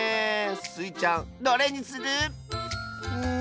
スイちゃんどれにする？